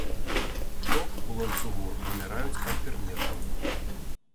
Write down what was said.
Ток у ланцугу вымяраюць амперметрам.